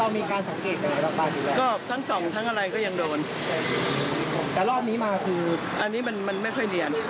แตะเป็นแผ่นแตะเป็นแผ่นอันนี้ไม่เนียน